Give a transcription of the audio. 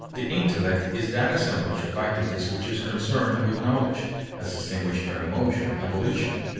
The intellect is that assemblage of faculties which is concerned with knowledge, as distinguished from emotion and volition.